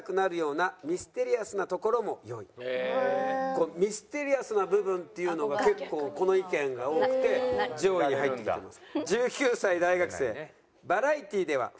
この「ミステリアスな部分」っていうのが結構この意見が多くて上位に入ってきてます。